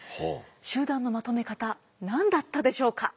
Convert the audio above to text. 集団のまとめ方何だったでしょうか。